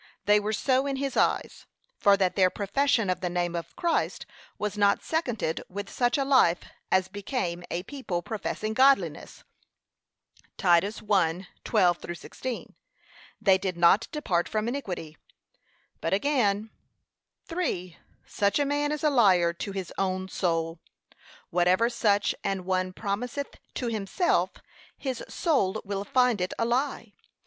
They were so in his eyes, for that their profession of the name of Christ was not seconded with such a life as became a people professing godliness. (Titus 1:12 16) They did not depart from iniquity. But again, 3. Such a man is a liar to his own soul. Whatever such an one promiseth to himself, his soul will find it a lie.